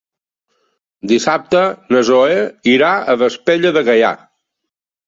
Dissabte na Zoè irà a Vespella de Gaià.